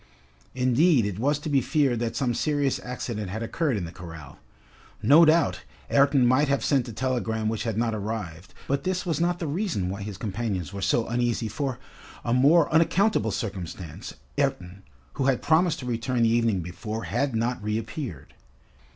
Indeed, it was to be feared that some serious accident had occurred in the corral. No doubt, Ayrton might have sent a telegram which had not arrived, but this was not the reason why his companions were so uneasy, for, a more unaccountable circumstance, Ayrton, who had promised to return the evening before, had not reappeared.